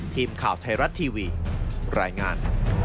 ทีมข่าวไทยรัฐทีวีรายงาน